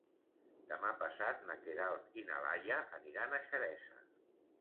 Demà passat na Queralt i na Laia aniran a Xeresa.